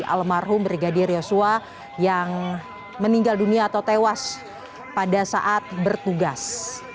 almarhum brigadir yosua yang meninggal dunia atau tewas pada saat bertugas